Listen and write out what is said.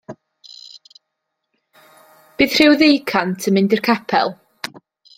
Bydd rhyw ddeucant yn mynd i'r capel.